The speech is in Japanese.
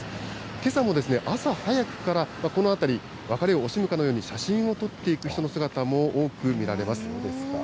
けさも朝早くから、この辺り、別れを惜しむかのように、写真を撮っていく人の姿も多く見られます。